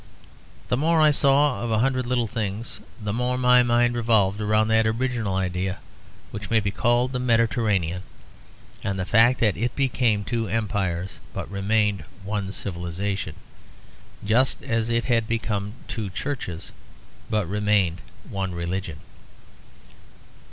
The more I saw of a hundred little things the more my mind revolved round that original idea which may be called the Mediterranean; and the fact that it became two empires, but remained one civilisation, just as it has become two churches, but remained one religion.